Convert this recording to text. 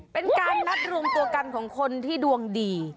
เป็นการนัดรวมตัวกันของคนที่ดวงดี